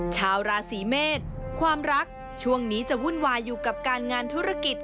ชาวราศีเมษความรักช่วงนี้จะวุ่นวายอยู่กับการงานธุรกิจ